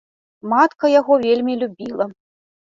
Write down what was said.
Матка яго вельмі любіла.